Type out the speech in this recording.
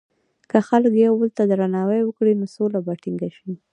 که خلک یو بل ته درناوی وکړي، نو سوله به ټینګه شي.